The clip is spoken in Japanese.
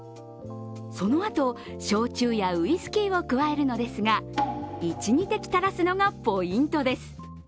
そのあと、焼酎やウイスキーを加えるのですが１２滴垂らすのがポイントです。